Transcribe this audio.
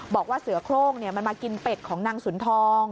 บอกว่าเสือโครงมันมากินเป็ดของนางสุนทอง